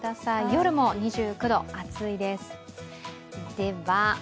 夜も２９度、暑いです。